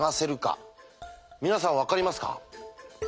皆さん分かりますか？